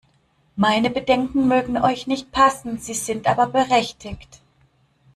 Meine Bedenken mögen euch nicht passen, sie sind aber berechtigt!